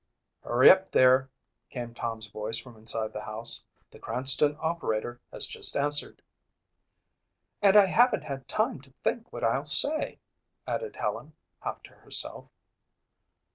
"Hurry up there," came Tom's voice from inside the house. "The Cranston operator has just answered." "And I haven't had time to think what I'll say," added Helen, half to herself.